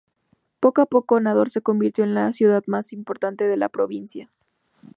Poco a poco Nador se convirtió en la ciudad más importante de la provincia.